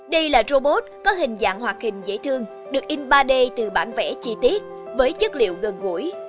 đây là robot có hình dạng hoạt hình dễ thương được in ba d từ bản vẽ chi tiết với chất liệu gần gũi